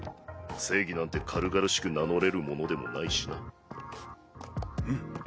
正義なんて軽々しく名乗れるものでもないしなふむ。